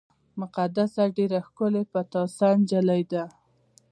مقدسه ډېره ښکلې پټاسه جینۍ ده